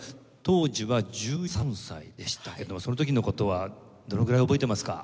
当時は１３歳でしたけどその時の事はどのぐらい覚えてますか？